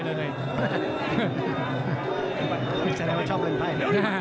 ไม่แสดงว่าชอบเล่นไพร่